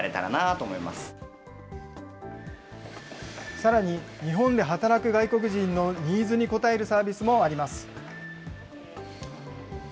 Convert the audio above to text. さらに、日本で働く外国人のニーズに応えるサービスもあります。